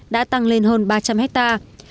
đã tăng lên hơn ba trăm linh hectare